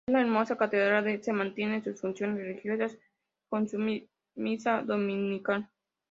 En la hermosa catedral se mantiene sus funciones religiosas, con su misa dominical.